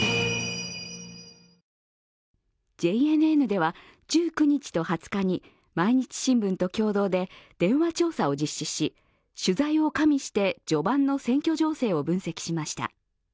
ＪＮＮでは、１９日と２０日に「毎日新聞」と共同で電話調査を実施し取材を加味して序盤の選挙情勢を分析しました。